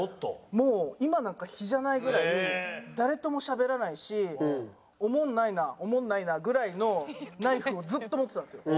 もう今なんか比じゃないぐらい誰ともしゃべらないしおもんないなおもんないなぐらいのナイフをずっと持ってたんですよ。